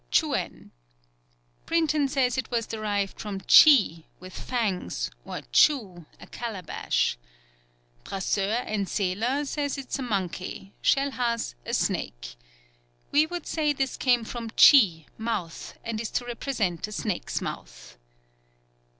8th. Chuen. Brinton says it was derived from chi, "with fangs," or chu, a calabash. Brasseur and Seler say it is a monkey, Schellhas "a snake." We would say this came from chi, "mouth," and is to represent a snake's mouth. 9th.